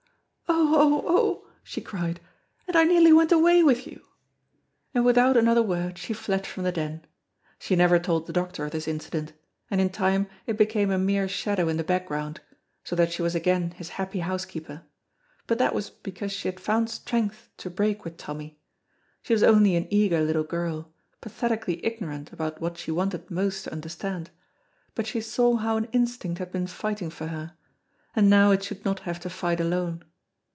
"Oh, oh, oh!" she cried, "and I nearly went away with you!" and without another word she fled from the Den. She never told the doctor of this incident, and in time it became a mere shadow in the background, so that she was again his happy housekeeper, but that was because she had found strength to break with Tommy. She was only an eager little girl, pathetically ignorant about what she wanted most to understand, but she saw how an instinct had been fighting for her, and now it should not have to fight alone.